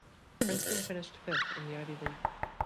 Princeton finished fifth in the Ivy League.